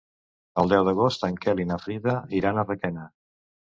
El deu d'agost en Quel i na Frida iran a Requena.